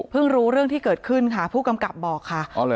รู้เรื่องที่เกิดขึ้นค่ะผู้กำกับบอกค่ะ